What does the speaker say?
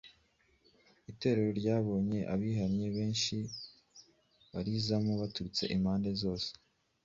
Itorero ryabonye abihanye benshi barizamo baturutse impande zose.